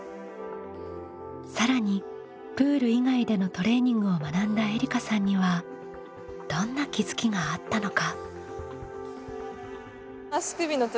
更にプール以外でのトレーニングを学んだえりかさんにはどんな気づきがあったのか。